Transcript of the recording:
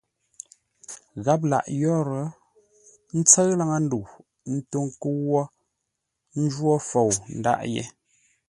Gháp lâʼ yórə́, ə́ ntsə́ʉ laŋə́-ndə̂u, ə́ ntó ńkə́u wó ńjwó fou ńdâʼ yé.